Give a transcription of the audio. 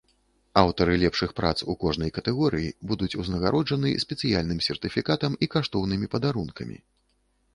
Аўтары лепшых прац у кожнай катэгорыі будуць узнагароджаны спецыяльным сертыфікатам і каштоўнымі падарункамі.